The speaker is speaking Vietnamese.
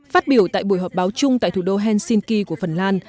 phát biểu tại buổi họp báo chung tại thủ đô helsinki của phần lan